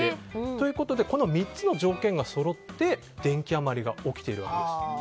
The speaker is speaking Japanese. ということでこの３つの条件がそろって電気余りが起きているわけです。